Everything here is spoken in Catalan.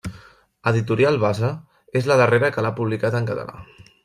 Editorial Base és la darrera que l'ha publicat en català.